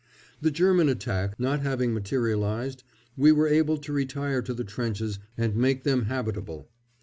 The German attack not having materialised, we were able to retire to the trenches and make them habitable.